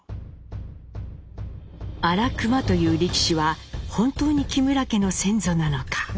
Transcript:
荒熊という力士は本当に木村家の先祖なのか？